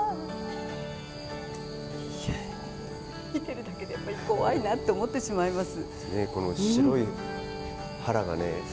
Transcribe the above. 見ているだけで怖いなと思ってしまいます。